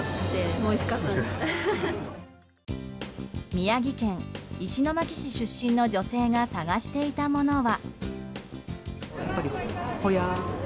宮城県石巻市出身の女性が探していたものは。